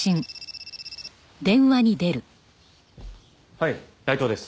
はい内藤です。